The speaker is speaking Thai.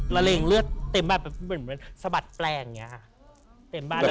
ละเล็งเลือดเต็มบ้านเหมือนสะบัดแปลงอย่างนี้อ่ะ